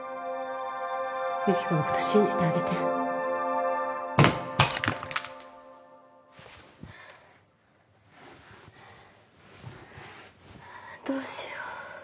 由紀子のこと信じてあげてどうしよう。